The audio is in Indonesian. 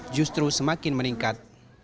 justru semakin meningkat